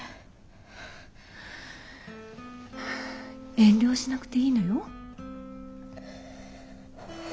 遠慮しなくていいのよ。